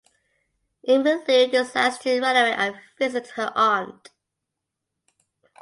Emmy Lou decides to runaway and visit her aunt.